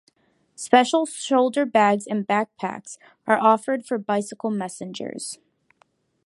Special shoulder bags and backpacks are offered for bicycle messengers.